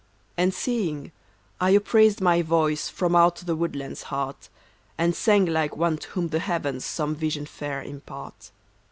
And seeing, I upraised my voice From out the woodland's heart, And sang like one to whom the heavens Some vision fair impart.